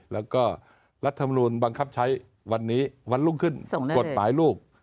แล้วก็รัฐมนูลบังคับใช้วันนี้วันรุ่งขึ้นกฎหมายลูก